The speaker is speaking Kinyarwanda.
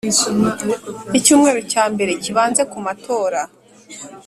Icyumweru cya mbere kibanze ku matora